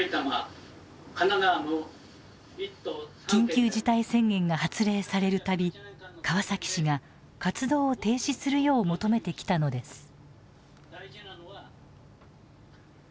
緊急事態宣言が発令される度川崎市が活動を停止するよう求めてきたのです。